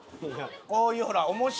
こういうほら面白。